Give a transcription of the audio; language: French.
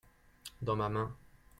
dans ma main.